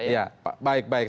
ya baik baik